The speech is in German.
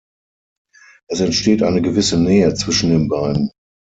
Es entsteht eine gewisse Nähe zwischen den beiden.